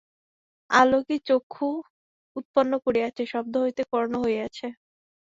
আলোকই চক্ষু উৎপন্ন করিয়াছে, শব্দ হইতেই কর্ণ হইয়াছে।